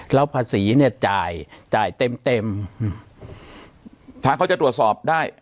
แล้วภาษีเนี่ยจ่ายจ่ายเต็มเต็มทางเขาจะตรวจสอบได้